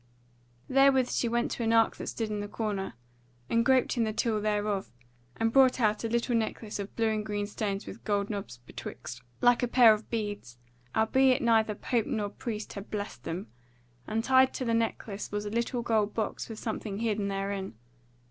Therewith she went to an ark that stood in the corner, and groped in the till thereof and brought out a little necklace of blue and green stones with gold knobs betwixt, like a pair of beads; albeit neither pope nor priest had blessed them; and tied to the necklace was a little box of gold with something hidden therein.